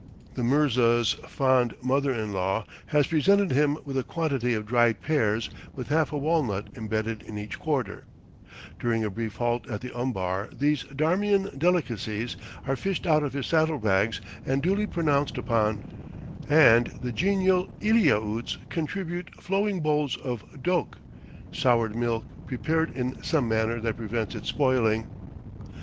The mirza's fond mother in law has presented him with a quantity of dried pears with half a walnut imbedded in each quarter; during a brief halt at the umbar these Darmian delicacies are fished out of his saddle bags and duly pronounced upon, and the genial Eliautes contribute flowing bowls of doke (soured milk, prepared in some manner that prevents its spoiling).